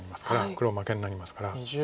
黒負けになりますから。